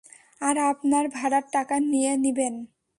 আর আপনার ভাড়ার টাকা নিয়ে নিবেন।